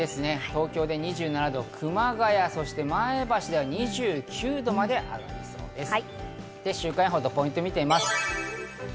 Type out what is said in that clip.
東京で２７度、熊谷、前橋では２９度まで上がりそうです。